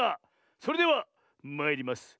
それではまいります。